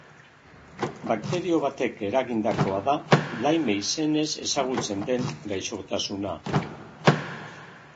Bakterio batek eragindakoa da lyme izenez ezagutze den den gaixotasuna.